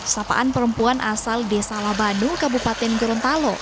sapaan perempuan asal desa labandung kabupaten gerontalo